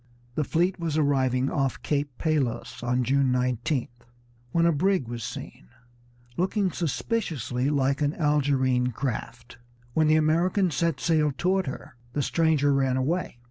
The fleet was arriving off Cape Palos on June 19th when a brig was seen, looking suspiciously like an Algerine craft. When the Americans set sail toward her, the stranger ran away.